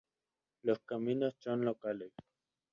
Los caminos son locales.